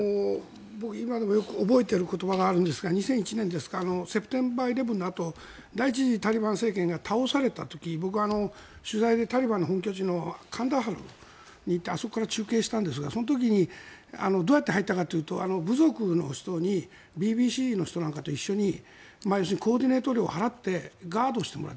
僕、今でもよく覚えている言葉があるんですが２００１年ですかセプテンバーイレブンのあと第１次タリバン政権が倒された時僕は取材でタリバンの本拠地のカンダハルに行ってあそこから中継したんですがその時にどうやって入ったかというと部族の人にＢＢＣの人なんかと一緒に要するにコーディネート料を払ってガードしてもらう。